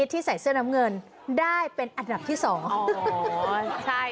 ที่ใส่เสื้อน้ำเงินได้เป็นอันดับที่สองอ๋อใช่